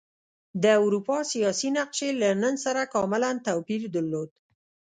د اروپا سیاسي نقشې له نن سره کاملا توپیر درلود.